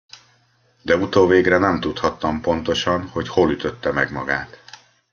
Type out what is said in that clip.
De utóvégre nem tudhattam pontosan, hogy hol ütötte meg magát.